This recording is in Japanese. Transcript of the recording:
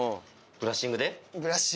ブラッシングで。